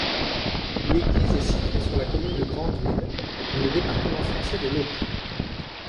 L'église est située sur la commune de Grandville, dans le département français de l'Aube.